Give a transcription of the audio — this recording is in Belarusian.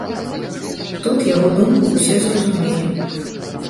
Тут яго думку ўсе зразумелі.